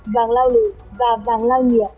vàng lao lửa và vàng lao nhiệt